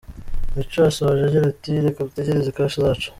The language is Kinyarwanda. Mico asoje agira ati ‘reka dutegereze cash zacu’.